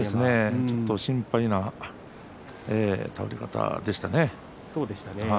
ちょっと心配な取り方でしたね。